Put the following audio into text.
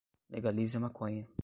Legalize a maconha